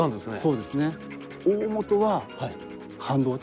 そうですね。